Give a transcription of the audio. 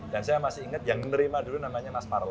dan saya masih ingat yang menerima dulu namanya mas parlan